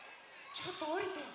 ちょっとおりて。